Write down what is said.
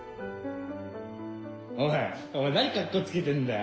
おいお前何カッコつけてんだよ。